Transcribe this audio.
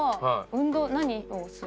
運動何をする？